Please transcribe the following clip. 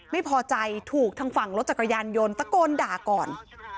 ไม่พอใจถูกทางฝั่งรถจักรยานยนต์ตะโกนด่าก่อน